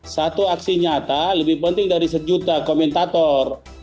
satu aksi nyata lebih penting dari sejuta komentator